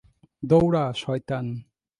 দৌঁড়া, শয়তান!